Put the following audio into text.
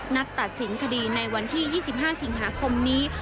ตัดสินคดีในวันที่๒๕สิงหาคมนี้